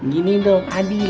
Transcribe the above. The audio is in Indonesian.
gini dong adil